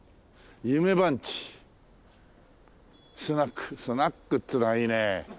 「夢番地スナック」スナックっていうのがいいね。